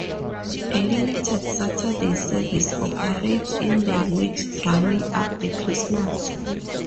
A limited Saturday service operates in the weeks running up to Christmas.